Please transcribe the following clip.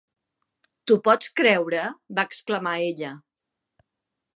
"T"ho pots creure?" va exclamar ella.